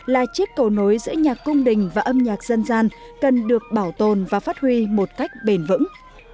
là chiếc cầu nối giữa nhạc cung đình và âm nhạc dân gian cần được bảo tồn và phát huy một cách bền vững